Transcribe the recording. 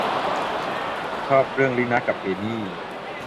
ชอบเรื่องรินะกับเอมี่